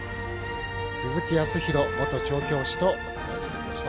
鈴木康弘元調教師とお伝えしてきました。